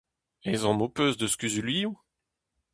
Ezhomm ho peus eus kuzulioù ?